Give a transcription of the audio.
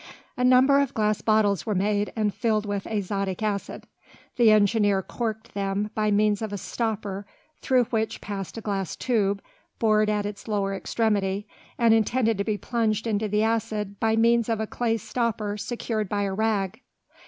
A number of glass bottles were made and filled with azotic acid. The engineer corked them by means of a stopper through which passed a glass tube, bored at its lower extremity, and intended to be plunged into the acid by means of a clay stopper secured by a rag.